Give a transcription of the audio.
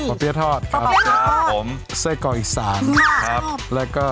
ปะเบี้ยทอดครับปะเบี้ยทอดครับผมเส้นกรออีสานครับแล้วก็